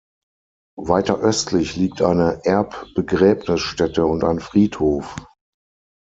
Weiter östlich liegt eine Erbbegräbnisstätte und ein Friedhof.